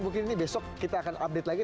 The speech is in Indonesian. mungkin ini besok kita akan update lagi